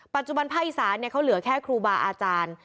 ปัจจุบันภาคอีสานเขาเหลือแค่ครูบาอาจารย์